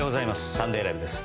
「サンデーＬＩＶＥ！！」です。